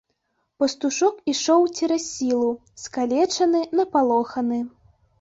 Пастушок ішоў цераз сілу, скалечаны, напалоханы.